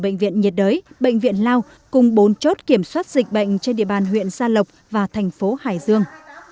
bệnh viện nhiệt đới bệnh viện lao cùng bốn chốt kiểm soát dịch bệnh trên địa bàn huyện gia lộc và thành phố hải dương